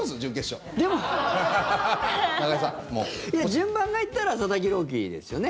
順番で言ったら佐々木朗希ですよね。